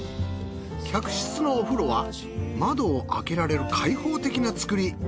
客室のお風呂は窓を開けられる開放的な造り。